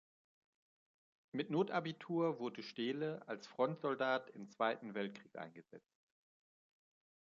Mit Notabitur wurde Stehle als Frontsoldat im Zweiten Weltkrieg eingesetzt.